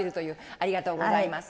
ありがとうございます。